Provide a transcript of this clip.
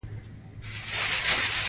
دا په عام او خاص حکم ویشل شوی.